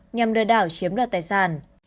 nhằm đưa đảo chiếm đoạt tài sản